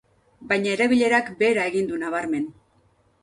Baina erabilerak behera egin du nabarmen.